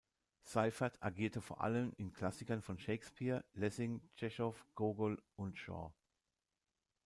Seyferth agierte vor allem in Klassikern von Shakespeare, Lessing, Tschechow, Gogol und Shaw.